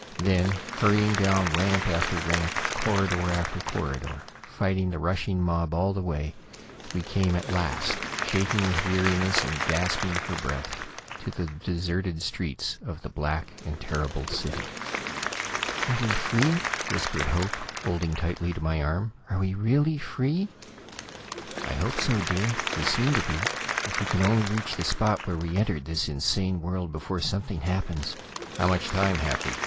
Then, hurrying down ramp after ramp, corridor after corridor, fighting the rushing mob all the way, we came at last, shaking with weariness and gasping for breath, to the deserted streets of this black and terrible city. "Are we free?" whispered Hope, holding tightly to my arm. "Are we really free?" "I hope so, dear. We seem to be. If we can only reach the spot where we entered this insane world before something happens " "How much time have we?"